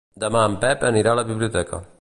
Demà en Pep anirà a la biblioteca.